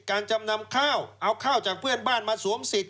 จำนำข้าวเอาข้าวจากเพื่อนบ้านมาสวมสิทธิ